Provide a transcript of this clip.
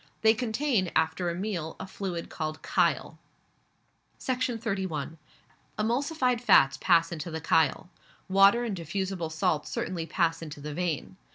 They contain, after a meal, a fluid called chyle. Section 31. Emulsified fats pass into the chyle. Water and diffusible salts certainly pass into the vein.